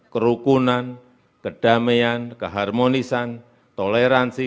kerukunan kedamaian keharmonisan toleransi